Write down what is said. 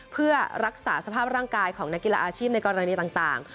เพื่อรักษาสภาพร่างกายของนักกีฬาอาชีพในกรณีต่าง